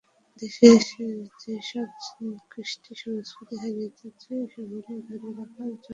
দেশের যেসব কৃষ্টি, সংস্কৃতি হারিয়ে যাচ্ছে সেগুলো ধরে রাখার জন্যই এমন আয়োজন।